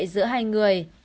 giữa hai người